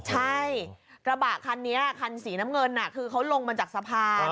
ใช่กระบะคันนี้คันสีน้ำเงินคือเขาลงมาจากสะพาน